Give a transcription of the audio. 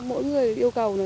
mỗi người yêu cầu